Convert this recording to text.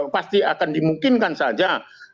pasti akan dimungkinkan saja